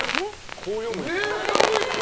こう読むよ。